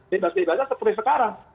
bebas bebasnya seperti sekarang